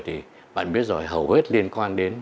thì bạn biết rồi hầu hết liên quan đến